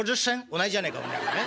「同じじゃねえかおめえは。